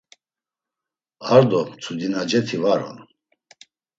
Ar do mtzudinaceti var on.